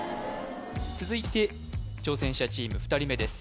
続いて挑戦者チーム２人目です